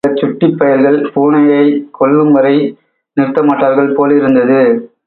ஆனால் அந்தச் சுட்டிப் பயல்கள் பூனையைக் கொல்லும் வரை நிறுத்தமாட்டார்கள் போலிருந்தது.